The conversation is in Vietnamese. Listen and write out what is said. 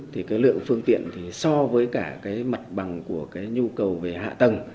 thì cái lượng phương tiện thì so với cả cái mặt bằng của cái nhu cầu về hạ tầng